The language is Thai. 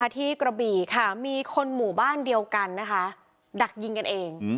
กระบี่ค่ะมีคนหมู่บ้านเดียวกันนะคะดักยิงกันเอง